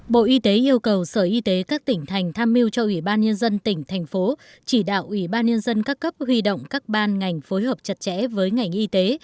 bộ y tế yêu cầu sở y tế các tỉnh thành tham mưu cho ủy ban nhân dân tỉnh thành phố chỉ đạo ủy ban nhân dân các cấp huy động các ban ngành phối hợp chặt chẽ với ngành y tế